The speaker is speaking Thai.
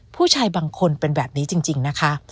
ผู้ชายบางคนเป็นแบบนี้จริงนะคะ